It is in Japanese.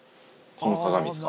この鏡ですか。